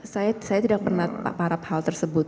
saya tidak pernah harap hal tersebut